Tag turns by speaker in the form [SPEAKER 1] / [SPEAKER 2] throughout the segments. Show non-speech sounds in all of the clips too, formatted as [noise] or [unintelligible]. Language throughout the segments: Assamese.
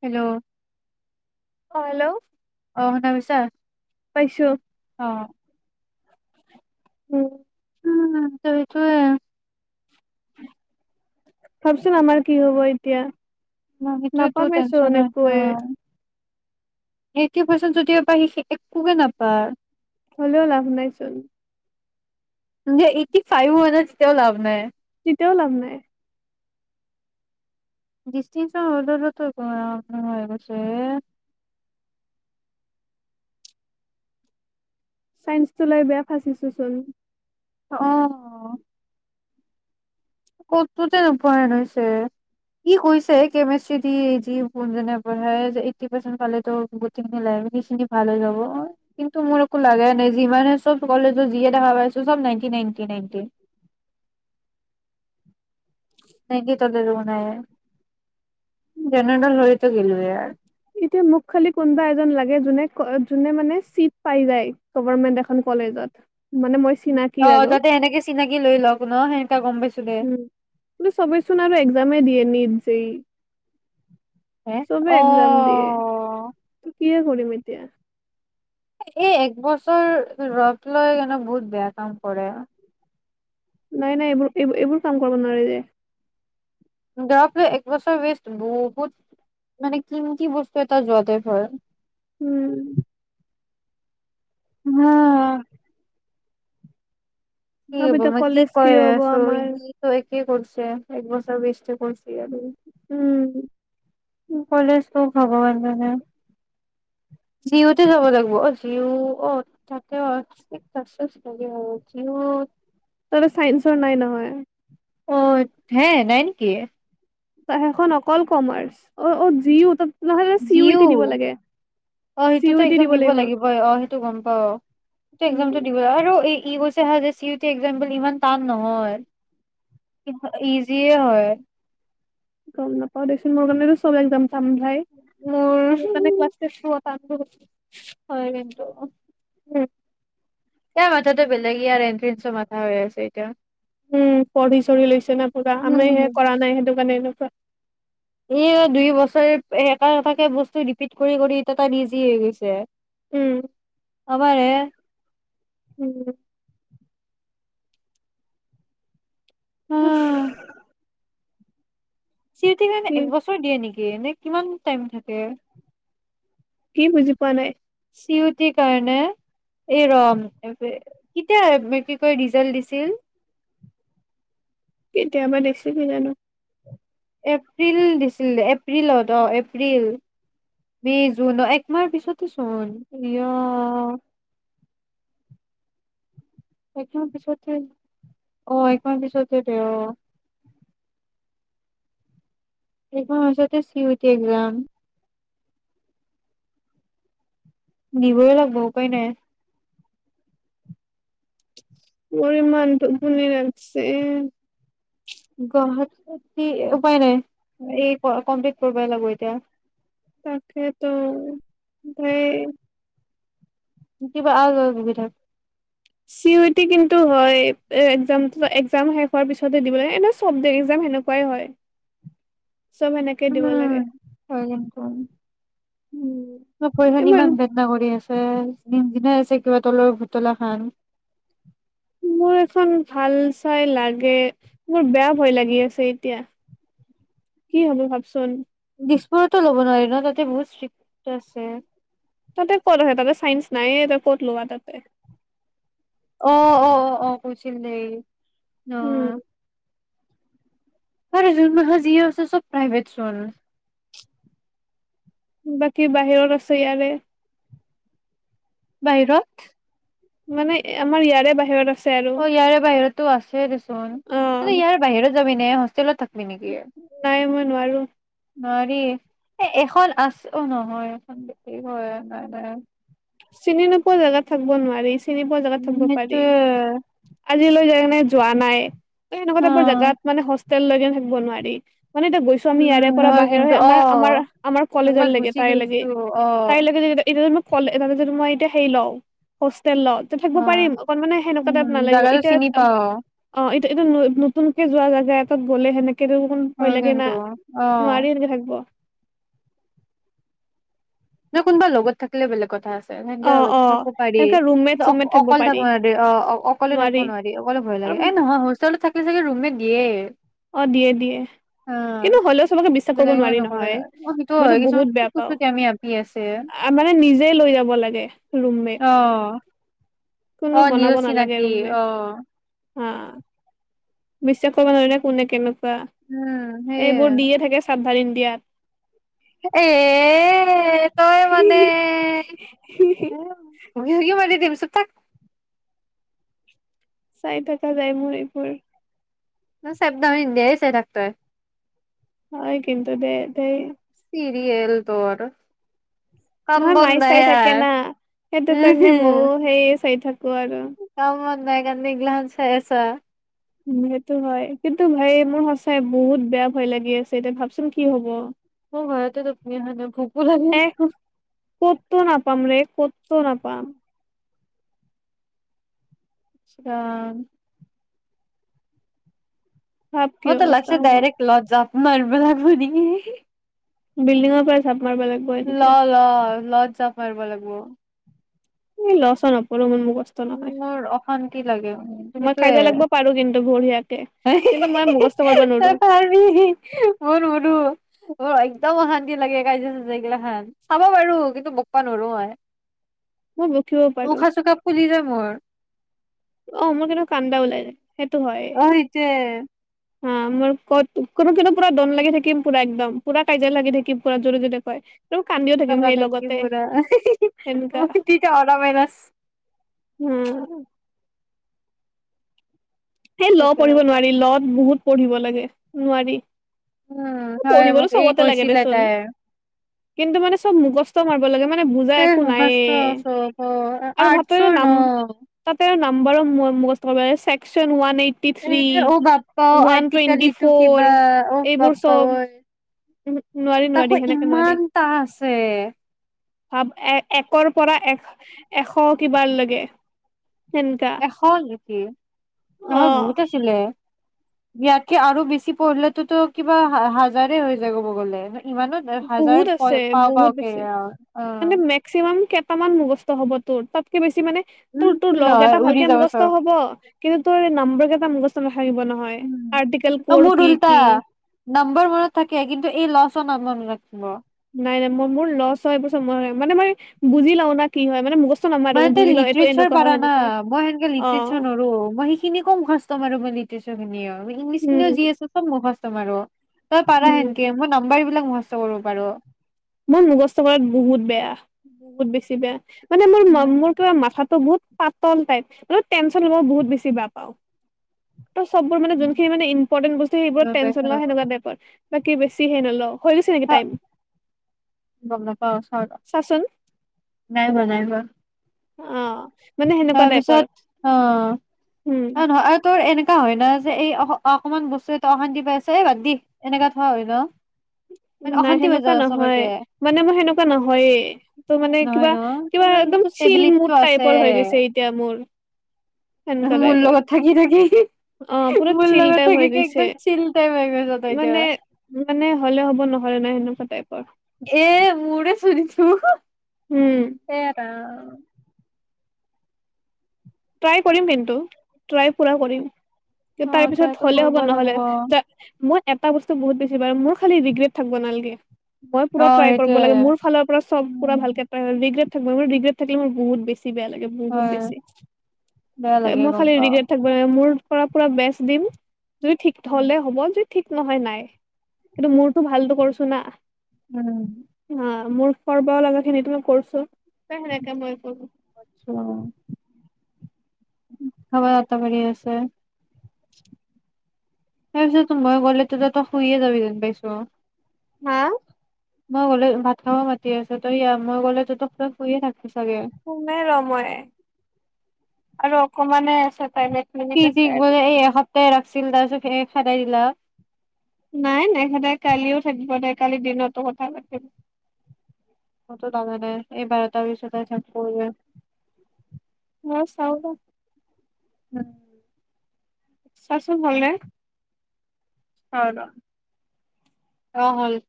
[SPEAKER 1] হেল্ল'
[SPEAKER 2] অ হেল্ল'
[SPEAKER 1] আহ শুনা পাইছা
[SPEAKER 2] পাইছো
[SPEAKER 1] অ।
[SPEAKER 2] উম।
[SPEAKER 1] উম সেইটোৱে
[SPEAKER 2] ভাবচোন আমাৰ কি হব এতিয়া।
[SPEAKER 1] ন সেইটো তো
[SPEAKER 2] নাপামেচোন
[SPEAKER 1] টেচন হয়।
[SPEAKER 2] একোৱে
[SPEAKER 1] এইটি পাৰ্চেণ্ট যদিপা সি একোকে নাপায়।
[SPEAKER 2] হলেও লাভ নাইচোন।
[SPEAKER 1] যে এইটি ফাইভ অহা নাই তেতিয়াও লাভ নাই
[SPEAKER 2] তেওঁ লাভ নাই
[SPEAKER 1] ডিস্তিচন হ'লেও ত গয় হৈ গৈছে
[SPEAKER 2] চাইন্স চলাই চিলে যে ফাচ ডিচিচন
[SPEAKER 1] অ ক'তোতে নোপোৱা হৈছে সি কৈছে কেমেষ্টি দি যি জোনজনে পঢ়াই যে এইটটি পাৰ্চন পালে টো গোটেখিনি লাইবেৰি খিনি ভাল হৈ যাব অ কিন্তু মোৰ একো লাই নাই যিমানে চব কলেজৰ যিয়ে দেখা পাইছো চব নইনটি, নাইনটি, নইনটি নেকি তলে নাই জনেৰেল হৈতো গিলোৱে আৰ
[SPEAKER 2] এতিয়া মোক খালি কোনোবা এজন লাগে যোনে যোনে মানে চিট পাই যায় গভমেন্ট এখন কলেজত মানে মই
[SPEAKER 1] অ
[SPEAKER 2] চিনাকিৰ আৰু
[SPEAKER 1] যাতে এনেকে চিনাকি লৈ লওক ন সেই।
[SPEAKER 2] উম বো চবেই চোন আৰু এক্সামে দিয়ে নিত যি
[SPEAKER 1] হে অ
[SPEAKER 2] কি কৰিম এতিয়া ।
[SPEAKER 1] এই একবছৰ ৰ'দ লৈ কেনে বহুত বেয়া কাম কৰে।
[SPEAKER 2] নাই নাই এইবোৰ এইবোৰ এইবোৰ কাম কৰিব নোৱাৰে যে।
[SPEAKER 1] ধৰা এক বছৰ ৱে বহুত মানে কিমটি বস্তু এটা যোৱা তাইপৰা ।
[SPEAKER 2] উম।
[SPEAKER 1] অহ । কি
[SPEAKER 2] ভাব
[SPEAKER 1] হ'ব
[SPEAKER 2] এতিয়া
[SPEAKER 1] মই কি
[SPEAKER 2] কলেজ
[SPEAKER 1] কই
[SPEAKER 2] হ'ব
[SPEAKER 1] আছোঁ
[SPEAKER 2] আমাৰ
[SPEAKER 1] ই। কি কৰছে এক বছৰ ওৱেছ কৰিছে আৰু
[SPEAKER 2] উম
[SPEAKER 1] কলেজ ভগৱান মানে জিঅতে যাব লাগিব অ জিঅ অ তাতে অ জিঅ।
[SPEAKER 2] তৰ চাইন্সৰ নাই নহয়।
[SPEAKER 1] অ হে নাই নেকি।
[SPEAKER 2] ত সেইখন অকল কমাৰ্চ অ অ জি তাত। নহলে চি ইউ ই
[SPEAKER 1] জিও
[SPEAKER 2] টি দিব লাগে
[SPEAKER 1] অ
[SPEAKER 2] চি ইউ
[SPEAKER 1] সেইটোতো
[SPEAKER 2] ই টি
[SPEAKER 1] একদম দিব
[SPEAKER 2] লাগিব
[SPEAKER 1] লাগিবই অ সেই। তো গম পাওঁ । সেইটো একজামটো
[SPEAKER 2] উম
[SPEAKER 1] দিব আৰু এ ই কৈছে হয় যে চি ইউটি একজাম্পল ইমান টান নহয়, ইজিয়ে হয়।
[SPEAKER 2] গম নাপাও দেচোন মোৰ কাৰণে চব একজাম। চামভাই মোৰ কানে ক্লাচ তেচ। পাম
[SPEAKER 1] হয় কিনটো।
[SPEAKER 2] উম
[SPEAKER 1] এয়া মাথাটো বেলেগ ই আৰু এনথ্ৰেন্ঞ্চৰ মাথা হৈ আছে এতিয়া।
[SPEAKER 2] উম পঢ়ি চঢ়ি লৈছে ন পা আমি
[SPEAKER 1] উম
[SPEAKER 2] হে কৰা নাই সেইটো কাৰণে। প।
[SPEAKER 1] এই দুই বছৰ এটা এটাকে বস্তু ৰিপিট কৰি কৰি ই এটা ইজি হৈ গৈছে।
[SPEAKER 2] উম
[SPEAKER 1] কাবাৰে।
[SPEAKER 2] উম উ
[SPEAKER 1] উম চিতিেই কাৰণে এক বছৰ দিয়ে নেকি এনে কিমান টাইম থাকে।
[SPEAKER 2] কি বুজি পোৱা নাই ।
[SPEAKER 1] চিউটিৰ কাৰণে এই ৰ কেতিয়া কি ক ৰিজাল্ট দিছিল।
[SPEAKER 2] কেতিয়াবা দেখছ কি জানি।
[SPEAKER 1] এপ্ৰিল দিছিল এপ্ৰিলত অ এপ্ৰিল মে জুন অ একমাহ পিছতে চোন হয় এখন পিছত কৰিম অ এ পিছত কৰিবি অ । এই ম। চতে চি ইউটি এক্সাম নিবই লাগিব উপাই নাই।
[SPEAKER 2] পৰিমানটো ধুনীয়া লাগছে।
[SPEAKER 1] গুৱাহাটী উপায় নাই এই কমপ্লিট কৰিবই লাগিব এতিয়া।
[SPEAKER 2] তাকেতো ভাই।
[SPEAKER 1] কিবা আল বাল বকি থাকে ।
[SPEAKER 2] চিকুটি কিন্তু হয় চব সেনেকে
[SPEAKER 1] উম
[SPEAKER 2] দিব লাগে
[SPEAKER 1] হয়
[SPEAKER 2] উম
[SPEAKER 1] ওপৰ খিনি
[SPEAKER 2] এইবাৰ
[SPEAKER 1] ইমান ভেদনা কৰি আছো নিমচিনাই আছে কিবা তলৰ ভুতলা খান
[SPEAKER 2] মোৰ এখন ভাল চাই লাগে মোৰ বেয়া ভয় লাগি আছে এতিয়া কি হ'ব ভাবচোন
[SPEAKER 1] দিচপুৰত ল'ব নোৱাৰি ন তাতে বহুত ষ্ট্ৰিক আছে
[SPEAKER 2] তাতে কৰ হয় তাতে চাইন্স নাই এ কৰলো বাা তাতে
[SPEAKER 1] অ অ অ অ কৈছিল দেই অ
[SPEAKER 2] উম
[SPEAKER 1] ক'ত আছে যি আছে চব প্ৰভেট চুন
[SPEAKER 2] বাকী বাহিৰত আছে ইয়াৰে
[SPEAKER 1] বাহিৰত
[SPEAKER 2] মানে আমাৰ ইয়াৰে বাহিৰত আ
[SPEAKER 1] অ ইয়াৰে বাহিৰতো আছে দেচোন
[SPEAKER 2] অ
[SPEAKER 1] কিন্তু ইয়াৰে বাহিৰত যাবি নে হোষ্টেলত থাকি মিনকিয়ে [inaudible]
[SPEAKER 2] নাই মই নোৱাৰো
[SPEAKER 1] নোৱাৰি এ এখন আছে নহয় এখন বেছি হয় নাই নাই
[SPEAKER 2] চিনি নোপোৱা জেগাত থাকিব নোৱাৰি চিনি পোৱা জেগাত
[SPEAKER 1] উম
[SPEAKER 2] থাকিব পাৰি
[SPEAKER 1] সেইটোৱে
[SPEAKER 2] আজিলৈ যায় মানে যোৱা নাই এনেকুৱা
[SPEAKER 1] অ
[SPEAKER 2] টাইবৰ জেগাত মানে তেল লৈ গেন হেকব নোৱাৰি মানে এতিয়া গৈছো আমি ইয়াৰে
[SPEAKER 1] উম
[SPEAKER 2] পৰা
[SPEAKER 1] হয়
[SPEAKER 2] বাহিৰহ
[SPEAKER 1] কিন্তু অ
[SPEAKER 2] আমাৰ আমাৰ আমাৰ কলেজৰ
[SPEAKER 1] একবাৰ
[SPEAKER 2] লৈকে
[SPEAKER 1] গুচি
[SPEAKER 2] তাইৰ লৈকে
[SPEAKER 1] গৈছো অ
[SPEAKER 2] তাই ল লৈকে যদি এতিয়া যদি মোক কলে এ তাৰ পিছতো মই এতিয়া হেৰি লওঁ হোটেল ল থাকিব
[SPEAKER 1] অ
[SPEAKER 2] পাৰিম অকন মানে সেনেকুৱা
[SPEAKER 1] উম
[SPEAKER 2] টাইব নালাগিব
[SPEAKER 1] জাগাটো চিনি
[SPEAKER 2] এতিয়া
[SPEAKER 1] পাও
[SPEAKER 2] অ এইটো নতুনকে যোৱা জেগা এটাত গ'লে সেনেক কেইদিনাখন ভয়
[SPEAKER 1] হয়
[SPEAKER 2] লাগে না
[SPEAKER 1] কিন্তু অ
[SPEAKER 2] নোৱাৰি এনেকে থাকব
[SPEAKER 1] নাই কোনোবা লগত থাকিলে বেলেগ কথা আছ সেনেকে
[SPEAKER 2] অ
[SPEAKER 1] অলপ
[SPEAKER 2] অ
[SPEAKER 1] থাকিব পাৰি
[SPEAKER 2] সেনেকে ৰুমমেট
[SPEAKER 1] অ
[SPEAKER 2] চুমমেট
[SPEAKER 1] অকলে
[SPEAKER 2] পাৰি
[SPEAKER 1] থাকিব নোৱাৰি অ অকলে থাকিব নোৱাৰি অকলে ভয় লাগে
[SPEAKER 2] আৰু
[SPEAKER 1] এ নহয় হোষ্টেলত থাক সেইটো চাগে ৰুমেমেট দিয়ে।
[SPEAKER 2] অ দিয়ে দিয়ে
[SPEAKER 1] অ
[SPEAKER 2] কিন্তু হ'লেও চবকে বিশ্বাস কৰিব
[SPEAKER 1] বেলেগে
[SPEAKER 2] নোৱাৰি
[SPEAKER 1] নকৰে
[SPEAKER 2] নহয়
[SPEAKER 1] অ সেইটো
[SPEAKER 2] মইতো
[SPEAKER 1] হয় কিছুমান
[SPEAKER 2] বহুত
[SPEAKER 1] কি
[SPEAKER 2] বেয়া পাওঁ।
[SPEAKER 1] কৈছো এতিয়া আমি ভাবি আছে
[SPEAKER 2] অ মানে নিজে লৈ যাব লাগে ৰুম মেট
[SPEAKER 1] অ অ নিজৰ চিনাকি
[SPEAKER 2] ৰুমমেট
[SPEAKER 1] অ
[SPEAKER 2] হা বিশ্বাস কৰিব নোৱাৰি নে কোনে কেনেকু
[SPEAKER 1] উম সেইয়ে
[SPEAKER 2] এইবোৰ দিয়ে থাকে চাব ভাল ইণ্ডিয়াত
[SPEAKER 1] এ্ তই মনে্ ভকি চকি মাৰি দিম চোপ থাক
[SPEAKER 2] চাই থাকা যায় মোৰ এইবোৰ
[SPEAKER 1] না চাবদাম ইণ্ডিয়া চাই থাক তই
[SPEAKER 2] হয় কিন্তু দে দে
[SPEAKER 1] তিৰি এল তৰ
[SPEAKER 2] নহয় মায়ে চাই থাকে না সেইটো কাৰণে মইও
[SPEAKER 1] উম
[SPEAKER 2] সেই চাই থাকো ক আৰু
[SPEAKER 1] কাম বন নাই কাৰানে এইগিলাখন চাই আছা আ
[SPEAKER 2] উ সেইটো হয় কিন্তু ভাই মোৰ সঁচাই বহুত বেয়া ভয় লাগি আছে এতিয়া ভাবচোন কি হব।
[SPEAKER 1] মোৰ ভয়তে টোপনি অহা নাই ভকো
[SPEAKER 2] এ
[SPEAKER 1] লাগিব
[SPEAKER 2] ক'তো নাপাম ৰে ক'তো নাপাম
[SPEAKER 1] আচান
[SPEAKER 2] ভাব কি
[SPEAKER 1] ম ত
[SPEAKER 2] অৱস্থা
[SPEAKER 1] লক্ষছে
[SPEAKER 2] হব
[SPEAKER 1] ডাইৰেক্ট ল যাব [unintelligible] মৰমত বনি [unintelligible]
[SPEAKER 2] বিল্ডিঙৰ পৰা চাম
[SPEAKER 1] ল ল ল চাব কৰিব লাগিব
[SPEAKER 2] এই লচ নপঢো বোলো
[SPEAKER 1] মোৰ অশান্তি লাগে তুমি
[SPEAKER 2] মই
[SPEAKER 1] তই
[SPEAKER 2] কাজিয়া লাগিব পাৰো কিন্তু বঢ়িয়াকে কিন্তু মই মুখস্থ কৰিব নোৱাৰো
[SPEAKER 1] পাৰিবি মোৰ নৰু একদম অশান্তি লাগে কাজিয়া চাজিয়া লাগিলে হয় চাব পাৰো কিন্তু বকব নৰো মই
[SPEAKER 2] মই বকিব পাৰো
[SPEAKER 1] উশাহ চুশাহ ফুলি মোৰ
[SPEAKER 2] অ মোৰ কিন্তো কান্দা ওলাই যায়
[SPEAKER 1] অ এতে
[SPEAKER 2] হ মোৰ কত কোনো কোনো পুৰা দন লাগি থাকিম পুৰা একদম পুৰা কাজিয়া লাগি থাকিম পুৰা জোৰে জোৰে কয় আৰু কান্দিও থাকিম সেই
[SPEAKER 1] তলত
[SPEAKER 2] লগতে
[SPEAKER 1] এক্টিবোৰে
[SPEAKER 2] সেনেকা
[SPEAKER 1] বহুত তিতা অলপ এৰচ [unintelligible]
[SPEAKER 2] উম সেই ল' পঢ়িব নোৱাৰি লত বহুত পঢ়িব লাগে নোৱাৰি
[SPEAKER 1] উম, হয়
[SPEAKER 2] পঢ়িবতো
[SPEAKER 1] মোক এই
[SPEAKER 2] চবতে লাগে
[SPEAKER 1] কৈছিলে
[SPEAKER 2] দেচোন
[SPEAKER 1] তাই।
[SPEAKER 2] কিন্তু মানে চব মুখস্থ মাৰিব লাগে মানে বুজা
[SPEAKER 1] এ
[SPEAKER 2] একো নাইে
[SPEAKER 1] মুখাস্ত চব
[SPEAKER 2] আৰু ভাতৰে
[SPEAKER 1] আৰ্টছৰ ন
[SPEAKER 2] নাম তাতে আৰু নাম বলক মগচ মাৰক চেক [unintelligible] চুন ওৱান এট
[SPEAKER 1] এ অ বাপ্পাও আৰ্টিকাল ইটো
[SPEAKER 2] ফ'ৰ
[SPEAKER 1] কিবা অ
[SPEAKER 2] এইবোৰ
[SPEAKER 1] বাপ্পা
[SPEAKER 2] চব
[SPEAKER 1] ঐ
[SPEAKER 2] নোৱাৰি নোৱাৰি
[SPEAKER 1] তাকৌ
[SPEAKER 2] সেনেকে নোৱাৰি
[SPEAKER 1] ইমান টা আছে।
[SPEAKER 2] ভাব একৰ পৰা এশ কিবাৰ লাগে সেনেকা
[SPEAKER 1] এশ নেকি
[SPEAKER 2] অ
[SPEAKER 1] নহয় বহুত আছিলে ইয়াতকে আৰু বেছি পঢ়িলেতোতো কিবা হাজাৰে হৈ যায় কব গ'লে ইমানো হাজাৰ
[SPEAKER 2] বহুত আছে
[SPEAKER 1] পাও
[SPEAKER 2] বহুত
[SPEAKER 1] পাওকে আৰু অ
[SPEAKER 2] বৰ্তমান মুখস্থ হব তো তাতকে বেছি মানে
[SPEAKER 1] উম
[SPEAKER 2] তোৰ তোৰ ল
[SPEAKER 1] নহয়
[SPEAKER 2] কেইটা
[SPEAKER 1] উৰি
[SPEAKER 2] ভালকে
[SPEAKER 1] যাব
[SPEAKER 2] মুখস্থ
[SPEAKER 1] চব
[SPEAKER 2] হ'ব কিন্তু তোৰ নাম্বাৰ কেইটা মুখস্থ নাথাকিব নহয়
[SPEAKER 1] উম।
[SPEAKER 2] আৰ্টিকেল
[SPEAKER 1] অ
[SPEAKER 2] কৰ
[SPEAKER 1] মোৰ
[SPEAKER 2] কি
[SPEAKER 1] উল্টা
[SPEAKER 2] কি
[SPEAKER 1] নম্বৰ মনত থাকে কিন্তু এই লছৰ নাম মনত ৰাখিব।
[SPEAKER 2] নাই নাই মই মোৰ ল চ এইবোৰ মনত নাই মই মানে মই বুজি লও ন কি হয় মান মুখস্থ নামাৰো
[SPEAKER 1] মানে
[SPEAKER 2] মই
[SPEAKER 1] তই
[SPEAKER 2] বুজি লওঁ এইটো
[SPEAKER 1] লিট্ৰচাৰ
[SPEAKER 2] এনেকুৱা
[SPEAKER 1] পাৰ
[SPEAKER 2] হয়
[SPEAKER 1] ন
[SPEAKER 2] সেনেকুৱা
[SPEAKER 1] মই সেনকে
[SPEAKER 2] অ
[SPEAKER 1] লিট্ৰচাৰ নৰো মই সেইখিনি ক মুখস্থ মাৰু মই লিট্ৰচাৰ সেই খিনি আৰু ইংলিছ খিনিও যি
[SPEAKER 2] উম
[SPEAKER 1] আছে চব মুখস্থ তোমাৰো তই পাৰা
[SPEAKER 2] উম
[SPEAKER 1] সেনকে মই নৰু বাৰ বিলাক মুখস্থ কৰব পাৰো
[SPEAKER 2] মই মুগস্থ কৰাত বহুত বেয়া বহুত বেছি বেয়া মানে মোৰ মোৰ কিবা মাথা বহুত পাতল টাইপ টেনচন লব বহুত বেছি বেয়া পাও ত চবোৰ মানে যোনখিনি মানে ইম্পৰ্টেন বস্তু সেইবোৰতমানে তেনচন লও সেনেকা টাইপৰ বাকী বেছি হেন অল হৈ গৈছে নেকি টাইম
[SPEAKER 1] গম নাপাব চাও না
[SPEAKER 2] চাচোন
[SPEAKER 1] নাই হোৱা নাই হোৱা
[SPEAKER 2] অ মানে সেনেকুৱা
[SPEAKER 1] তাৰ
[SPEAKER 2] টাইপৰ
[SPEAKER 1] পিছত অ
[SPEAKER 2] উম
[SPEAKER 1] আৰু নহয় আৰু তোৰ এনে একা হয় ন যে এই অ অকনমান বস্তুএটা অশান্তি পাই আছে এই বাদ দি এনেকা থোৱা হয় ন মানে
[SPEAKER 2] নাই
[SPEAKER 1] অশান্তি হৈ
[SPEAKER 2] সেনেকুৱা
[SPEAKER 1] যায় চবকে
[SPEAKER 2] নহয়, মানে মই সেনেকুৱা নহয়েই ত মানে
[SPEAKER 1] নহয়
[SPEAKER 2] কিবা,
[SPEAKER 1] ন
[SPEAKER 2] কিবা
[SPEAKER 1] তোমাৰ
[SPEAKER 2] একদম চিল মোড
[SPEAKER 1] ষ্টেবিলিটিটো
[SPEAKER 2] টাইপ
[SPEAKER 1] আছে
[SPEAKER 2] ওপৰ হৈ গৈছে এতিয়া মো হল
[SPEAKER 1] মোৰ লগত থাকি থাকি
[SPEAKER 2] অ পুৰা
[SPEAKER 1] মোৰ
[SPEAKER 2] চিল
[SPEAKER 1] লগত
[SPEAKER 2] টাইপ হৈ
[SPEAKER 1] থাকি কি
[SPEAKER 2] গৈছে
[SPEAKER 1] একদম চিল টাইপ হৈ গৈছ ত এতিয়া
[SPEAKER 2] মানে মানে হ'লে হ'ব নহ'লে নাই সেনেকুৱা টাইপৰ
[SPEAKER 1] এ মোৰে শুনিছো
[SPEAKER 2] উম
[SPEAKER 1] অ
[SPEAKER 2] ট্ৰাই কৰিম কিন্তু ট্ৰাই পুৰা কৰিম তাৰ
[SPEAKER 1] অ'
[SPEAKER 2] পিছত
[SPEAKER 1] ট্ৰাইটো
[SPEAKER 2] হ'লে
[SPEAKER 1] কৰিব
[SPEAKER 2] হ'ব নহ'লে
[SPEAKER 1] লাগিব।
[SPEAKER 2] মই এটা বস্তু বহুত বেছি বাৰ মোৰ খালি ৰিগ্ৰেট থাকিব নালাগে মই পুৰা
[SPEAKER 1] অ'
[SPEAKER 2] ট্ৰাই কৰিব লাগে
[SPEAKER 1] সেইটোয়ে।
[SPEAKER 2] মোৰ ফালৰ পৰা চব পুৰা
[SPEAKER 1] উম,
[SPEAKER 2] ভালকে [unintelligible] ৰিগ্ৰেড থাকিল মোৰ বহুত বছি বেয়া লাগে বহুত
[SPEAKER 1] হয়
[SPEAKER 2] বেছি
[SPEAKER 1] বেয়া লাগে
[SPEAKER 2] মই
[SPEAKER 1] গম
[SPEAKER 2] খালি
[SPEAKER 1] পাওঁ।
[SPEAKER 2] ৰিগ্ৰেট থাকিব নালগে মোৰ পৰা পুৰা বেষ্ট দিম। যদি [unintelligible] হলে হ'ব [unintelligible] ঠিক নহয় নাই, কিন্তু মোৰতো ভালতো কৰছু না।
[SPEAKER 1] উম,
[SPEAKER 2] অ মোৰ কৰবাও লাগা খিনিতো মই কৰছো। [unintelligible] মই [unintelligible]
[SPEAKER 1] [unintelligible] আটাহ পাৰি আছে ।তাৰ পিছতটো মই গলেটো তইটো শুইে যাবি যেন পাইছো।
[SPEAKER 2] হা?
[SPEAKER 1] মই গ'লে ভাত খাব মাতি আছে তই ইয়া মই গ'লে টো [unintelligible] শুয়ে থাক
[SPEAKER 2] শুমে ৰ মই। আৰু অকমানে আছে। টাইম এক মিনিট
[SPEAKER 1] কি
[SPEAKER 2] আছে
[SPEAKER 1] ঠিক
[SPEAKER 2] আৰু
[SPEAKER 1] বলে এই এক সপ তাই ৰাখছিল তাৰপিচত এ খেদাই দিলাক।
[SPEAKER 2] নাই নেখেদাই কালিও থাকিব। তাই কালি দিনতো কথা পাতিম।
[SPEAKER 1] এইবাৰটাৰ পিছত ফৰ এ।
[SPEAKER 2] চাওঁ ৰহ।
[SPEAKER 1] উম।
[SPEAKER 2] চাচোন ভালনে।
[SPEAKER 1] অ ৰহ। অ হল।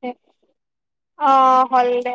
[SPEAKER 1] হে।
[SPEAKER 2] অ হল দে।